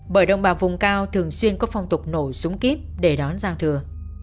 bởi đồng bào vùng cao thường xuyên có phong tục nổ súng kíp để đón giao thừa